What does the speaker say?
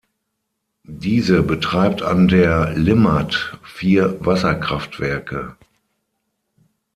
Diese betreibt an der Limmat vier Wasserkraftwerke.